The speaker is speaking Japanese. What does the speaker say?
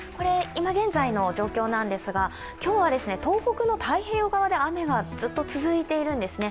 今現在の状況ですが、今日は東北の太平洋側で雨がずっと続いているんですね。